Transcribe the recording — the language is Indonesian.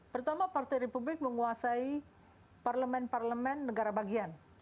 pertama partai republik menguasai parlemen parlemen negara bagian